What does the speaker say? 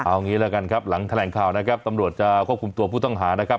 เอางี้ละกันครับหลังแถลงข่าวนะครับตำรวจจะควบคุมตัวผู้ต้องหานะครับ